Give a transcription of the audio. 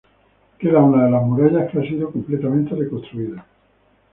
Queda una de las murallas, que ha sido completamente reconstruida.